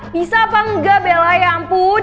bisa apa enggak bella ya ampun